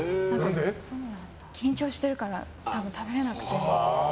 緊張してるから食べれなくて。